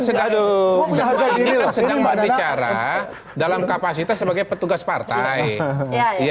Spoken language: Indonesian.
semua ini kan sedang berbicara dalam kapasitas sebagai petugas partai